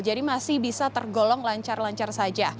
jadi masih bisa tergolong lancar lancar saja